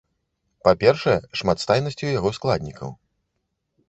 Па-першае, шматстайнасцю яго складнікаў.